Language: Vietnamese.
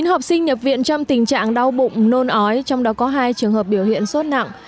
chín học sinh nhập viện trong tình trạng đau bụng nôn ói trong đó có hai trường hợp biểu hiện sốt nặng